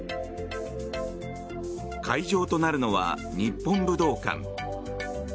会場となるのは日本武道館。